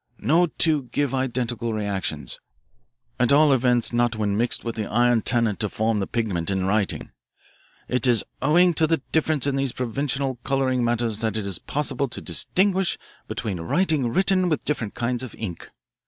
No two give identical reactions at all events not when mixed with the iron tannate to form the pigment in writing. "It is owing to the difference in these provisional colouring matters that it is possible to distinguish between writing written with different kinds of ink.